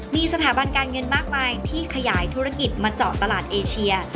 มีสถาบันการเงินมากมายที่ขยายธุรกิจมาเจาะตลาดเอเชีย